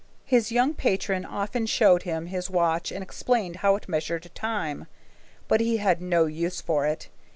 His young patron often showed him his watch and explained how it measured time, but he had no use for it.